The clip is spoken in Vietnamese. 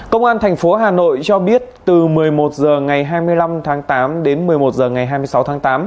công an thành phố hà nội cho biết từ một mươi một h ngày hai mươi năm tháng tám đến một mươi một h ngày hai mươi sáu tháng tám